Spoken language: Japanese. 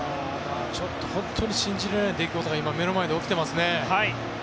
ちょっと本当に信じられない出来事が今、目の前で起きていますね。